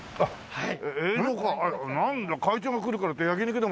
はい。